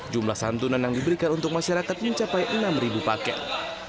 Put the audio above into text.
jumlah santunan yang diberikan untuk masyarakat mencapai enam paket